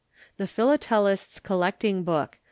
THE PHILATELIST'S COLLECTING BOOK.